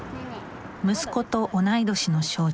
息子と同い年の少女。